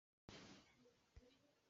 A lei a ka chak.